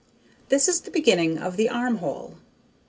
This is the beginning of the arm hole.